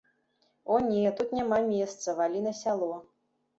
О не, тут няма месца, валі на сяло.